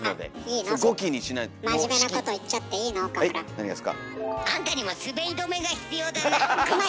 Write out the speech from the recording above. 何がですか？